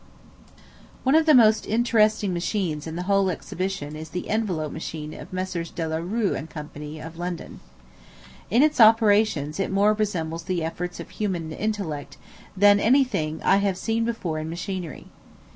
One of the most interesting machines in the whole exhibition is the envelope machine of Messrs. De la Rue & Co., of London. In its operations it more resembles the efforts of human intellect than any thing I have seen before in machinery.